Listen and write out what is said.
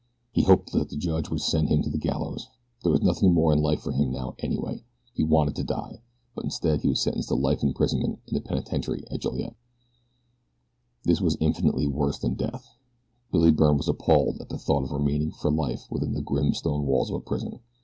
He hoped that the judge would send him to the gallows. There was nothing more in life for him now anyway. He wanted to die. But instead he was sentenced to life imprisonment in the penitentiary at Joliet. This was infinitely worse than death. Billy Byrne was appalled at the thought of remaining for life within the grim stone walls of a prison.